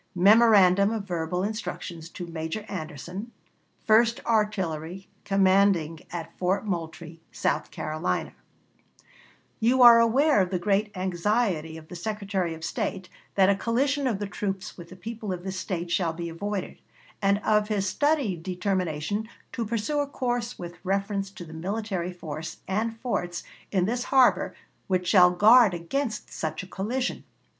Memorandum of verbal instructions to Major Anderson, 1st Artillery, commanding at Fort Moultrie, South Carolina: You are aware of the great anxiety of the Secretary of War that a collision of the troops with the people of this State shall be avoided, and of his studied determination to pursue a course with reference to the military force and forts in this harbor which shall guard against such a collision.